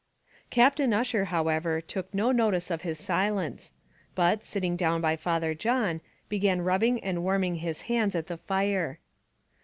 Captain Ussher, however, took no notice of his silence; but, sitting down by Father John, began rubbing and warming his hands at the fire.